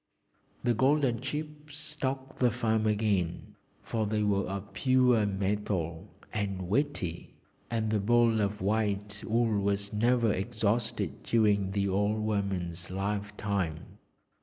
The golden chips stocked the farm again, for they were of pure metal, and weighty, and the ball of white wool was never exhausted during the old woman's life time.